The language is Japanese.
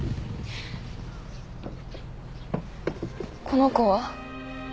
この子は？